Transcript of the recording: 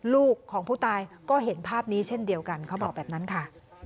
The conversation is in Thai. ลูกของผู้ตายก็เห็นภาพนี้เช่นเดียวกันเขาบอกแบบนั้นค่ะ